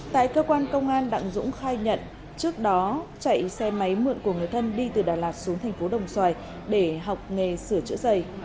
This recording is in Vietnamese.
tại cơ quan công an đặng dũng khai nhận trước đó chạy xe máy mượn của người thân đi từ đà lạt xuống thành phố đồng xoài để học nghề sửa chữa giày